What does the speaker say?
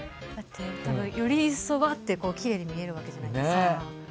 より一層きれいに見えるわけじゃないですか。